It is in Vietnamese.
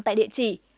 tại địa chỉ